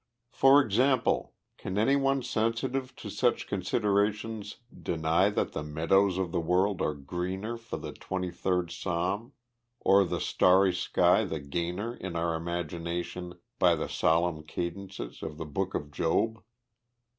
For example, can any one sensitive to such considerations deny that the meadows of the world are greener for the Twenty third Psalm, or the starry sky the gainer in our imagination by the solemn cadences of the book of Job?